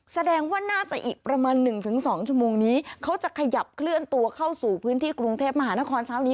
แสดงว่าน่าจะอีกประมาณ๑๒ชั่วโมงนี้เขาจะขยับเคลื่อนตัวเข้าสู่พื้นที่กรุงเทพมหานครเช้านี้